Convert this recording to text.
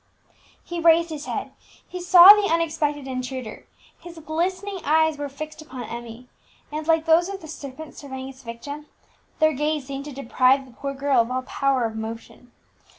He raised his head; he saw the unexpected intruder; his glistening eyes were fixed upon Emmie, and, like those of the serpent surveying its victim, their gaze seemed to deprive the poor girl of all power of motion.